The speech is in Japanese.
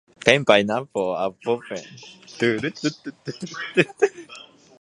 ペンパイナッポーアッポーペン